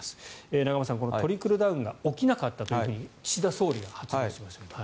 永濱さん、トリクルダウンが起きなかったというふうに岸田総理が発言しましたが。